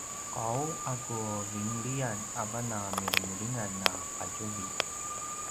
qau a ku vinliyan avan a “milimilingan na qatjuvi”